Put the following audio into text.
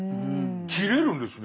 切れるんですね。